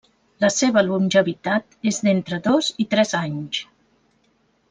La seva longevitat és d'entre dos i tres anys.